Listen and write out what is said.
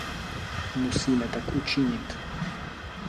Musíme tak učinit.